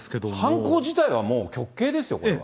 犯行自体はもう、極刑ですよ、これは。